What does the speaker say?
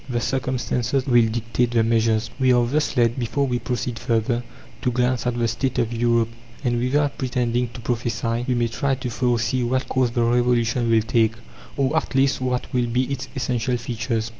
The circumstances will dictate the measures. We are thus led, before we proceed further, to glance at the State of Europe, and, without pretending to prophesy, we may try to foresee what course the Revolution will take, or at least what will be its essential features.